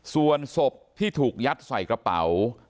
ส่วนศพที่ถูกยัดใส่กระเป๋า